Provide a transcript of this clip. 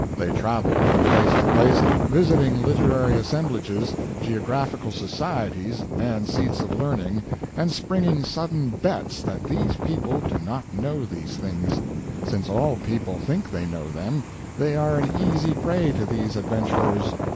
They travel from place to place, visiting literary assemblages, geographical societies, and seats of learning, and springing sudden bets that these people do not know these things. Since all people think they know them, they are an easy prey to these adventurers.